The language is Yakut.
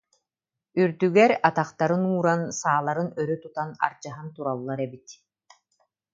үрдүгэр атахтарын ууран, сааларын өрө тутан ардьаһан тураллар эбит